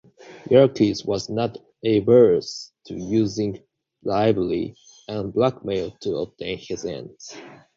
Yerkes was not averse to using bribery and blackmail to obtain his ends.